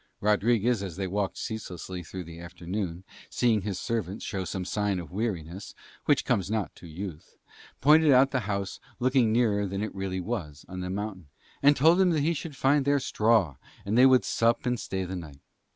Rodriguez, as they walked ceaselessly through the afternoon, seeing his servant show some sign of weariness, which comes not to youth, pointed out the house looking nearer than it really was on the mountain, and told him that he should find there straw, and they would sup and stay the night.